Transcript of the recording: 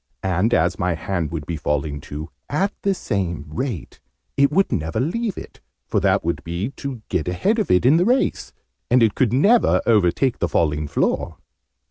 And, as my hand would be falling too at the same rate it would never leave it, for that would be to get ahead of it in the race. And it could never overtake the failing floor!"